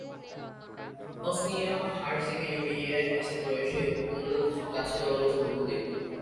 Bosnia ও Herzegovina এবং ক্রোয়েশিয়ার উপকূলের কাছে রয়েছে বহু দ্বীপ।